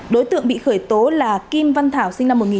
đối tượng bị khởi tố là kim văn thảo sinh năm một nghìn chín trăm tám mươi